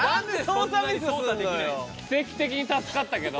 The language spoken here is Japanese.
奇跡的に助かったけど。